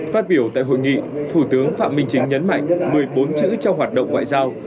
phát biểu tại hội nghị thủ tướng phạm minh chính nhấn mạnh một mươi bốn chữ trong hoạt động ngoại giao